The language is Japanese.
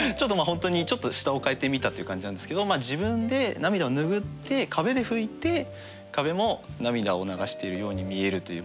本当にちょっと下を変えてみたっていう感じなんですけど自分で涙を拭って壁で拭いて壁も涙を流しているように見えるという。